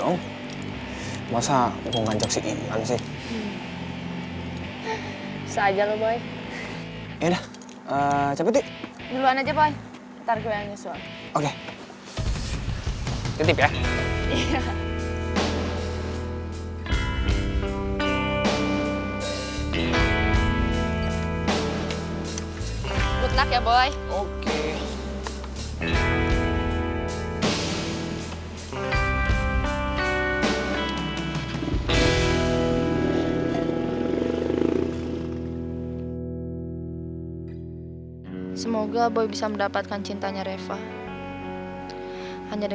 nggak ia ng czasu bisa aja atau kusutnya lutaknya boleh oke